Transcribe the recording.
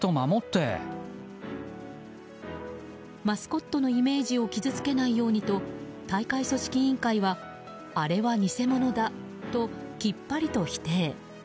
マスコットのイメージを傷つけないようにと大会組織委員会はあれは偽者だときっぱりと否定。